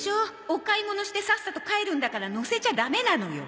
お買い物してさっさと帰るんだから乗せちゃダメなのよ。